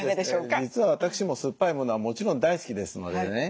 実は私も酸っぱいものはもちろん大好きですのでね